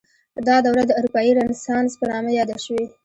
دا دوره د اروپايي رنسانس په نامه یاده شوې.